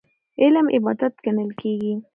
علم عبادت ګڼل کېږي.